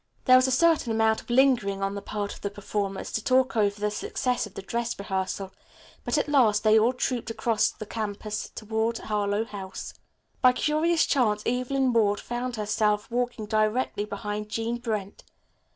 There was a certain amount of lingering on the part of the performers to talk over the success of the dress rehearsal, but at last they all trooped across the campus to Harlowe House. By curious chance Evelyn Ward found herself walking directly behind Jean Brent.